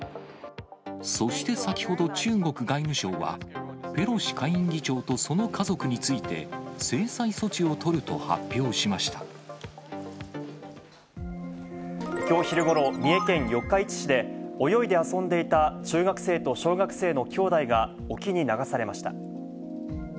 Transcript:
そして先ほど、中国外務省は、ペロシ下院議長とその家族について、きょう昼ごろ、三重県四日市市で、泳いで遊んでいた中学生と小学生の兄弟が沖に流されました。